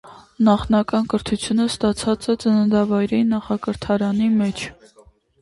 Նախնական կրթութիւնը ստացած է ծննդավայրի նախակրթարանին մէջ։